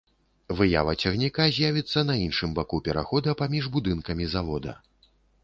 Выява цягніка з'явіцца на іншым баку перахода паміж будынкамі завода.